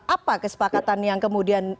apa kesepakatan yang kemudian